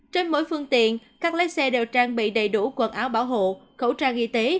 trên mỗi phương tiện các lái xe đều trang bị đầy đủ quần áo bảo hộ khẩu trang y tế